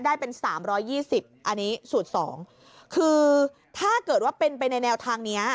ได้เป็น๓๒๐อันนี้สูตร๒คือถ้าเกิดว่าเป็นไปในแนวทางเนี้ย